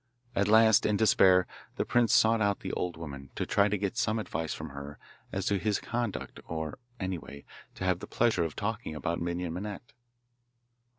At last, in despair, the prince sought out the old woman, to try to get some advice from her as to his conduct, or, anyway, to have the pleasure of talking about Minon Minette.